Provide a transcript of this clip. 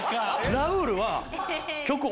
ラウールは。